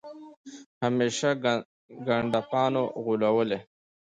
همېشه وي ګنډکپانو غولولی